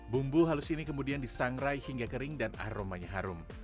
bumbu halus ini kemudian disangrai hingga kering dan aromanya harum